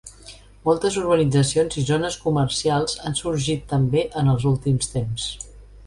Moltes urbanitzacions i zones comercials han sorgit també en els últims temps.